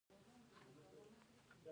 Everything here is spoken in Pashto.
د فزیک تجربې تیوري ثابتوي.